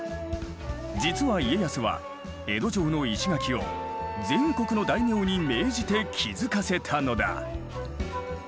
実は家康は江戸城の石垣を全国の大名に命じて築かせたのだ。